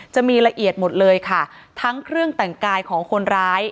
จะมีละเอียดหมดเลยค่ะทั้งเครื่องแต่งกายของคนร้าย